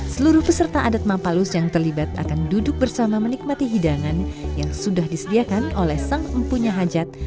seluruh peserta adat mampalus yang terlibat akan duduk bersama menikmati hidangan yang sudah disediakan oleh sang empunya hajat